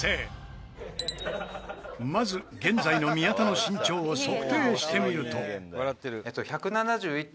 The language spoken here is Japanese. まず現在の宮田の身長を測定してみると。